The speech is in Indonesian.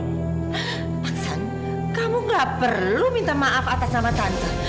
maksan kamu nggak perlu minta maaf atas nama tante